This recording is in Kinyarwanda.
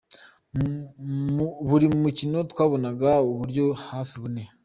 Buri mukino twabonaga uburyo hafi bune.